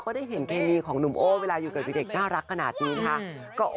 โอ้โฮโอ้โฮ